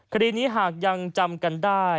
คดีนี้หากยังจำกันได้